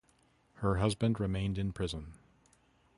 Her husband remained in prison.